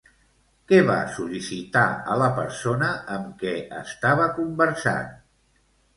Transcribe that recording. Què va sol·licitar a la persona amb què estava conversant?